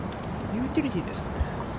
ユーティリティーですかね。